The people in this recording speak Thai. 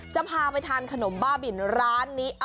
จะพาไปทานขนมบ้าบินร้านนี้